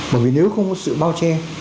bởi vì nếu không có sự bao che